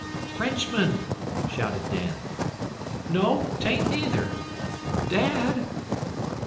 "Frenchmen!" shouted Dan. "No, 'tain't, neither. Da ad!"